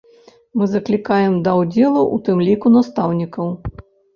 Мы заклікаем да ўдзелу у тым ліку настаўнікаў.